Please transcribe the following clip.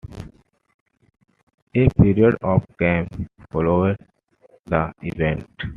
A period of calm followed the event.